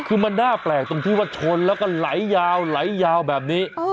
คือมันน่าแปลกตรงที่ว่าชนแล้วก็ไหลยาวไหลยาวแบบนี้